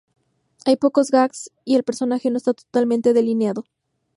Hay pocos "gags", y el personaje no está totalmente delineado.